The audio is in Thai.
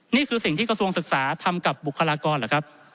นี่คือสิ่งที่กระทรวงศึกษาทำกับบุคลากรเหรอครับ